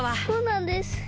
そうなんです！